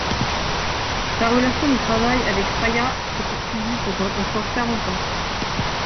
Sa relation de travail avec Failla s'est poursuivie pendant encore quarante ans.